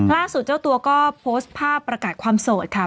เจ้าตัวก็โพสต์ภาพประกาศความโสดค่ะ